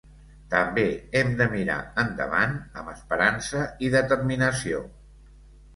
També hem de mirar endavant amb esperança i determinació.